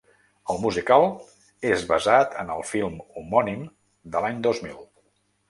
El musical és basat en el film homònim de l’any dos mil.